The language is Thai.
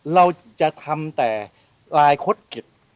เราจะทำแต่ลายคดเก็บ